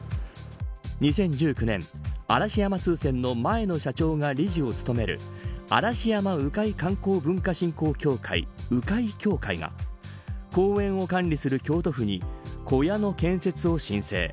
２０１９年、嵐山通船の前の社長が理事を務める嵐山鵜飼観光文化振興協会鵜飼協会が公園を管理する京都府に小屋の建設を申請。